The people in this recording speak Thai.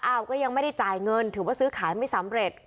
ก็ยังไม่ได้จ่ายเงินถือว่าซื้อขายไม่สำเร็จ